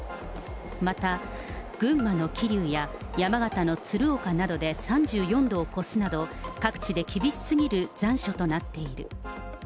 また群馬の桐生や山形の鶴岡などで３４度を超すなど、各地で厳しすぎる残暑となっている。